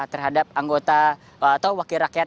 terhadap anggota atau wakil rakyat